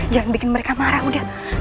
jangan bikin mereka marah mungkin